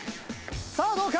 さぁどうか？